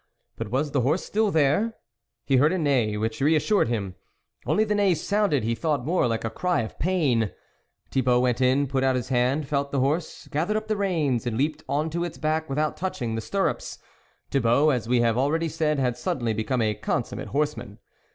But was the horse still there ? He heard a neigh which reassured him : only the neigh sounded he thought more like a cry of pain. Thi bault went in, put out his hand, felt the horse, gathered up the reins, and leaped on to its back without touching the stirrups ; Thibault, as we have already said, had suddenly become a consum mate horseman.